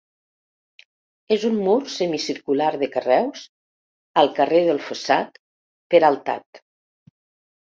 És un mur semicircular de carreus, al carrer del fossat, peraltat.